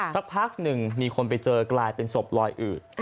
สักพักหนึ่งมีคนไปเจอกลายเป็นศพลอยอืด